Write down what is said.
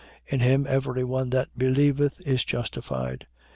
13:39. In him every one that believeth is justified.